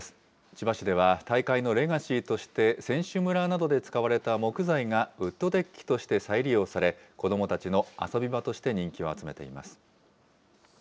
千葉市では、大会のレガシーとして、選手村などで使われた木材がウッドデッキとして再利用され、子どもたちの遊び場として人気を集めています。